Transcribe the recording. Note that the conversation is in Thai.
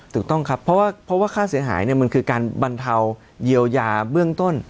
ถูกต้องครับเพราะว่าค่าเสียหายมันคือการบรรเทาเยียวยาเบื้องต้น